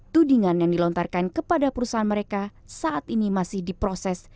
tudingan yang dilontarkan kepada perusahaan mereka saat ini masih diproses